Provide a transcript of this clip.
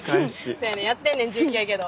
せやねんやってんねん１９やけど。